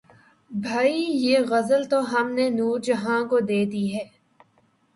بھئی یہ غزل تو ہم نے نور جہاں کو دے دی ہے